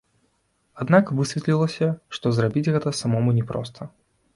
Аднак высветлілася, што зрабіць гэта самому не проста.